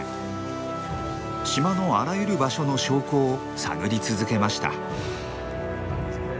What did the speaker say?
島のあらゆる場所の証拠を探り続けました。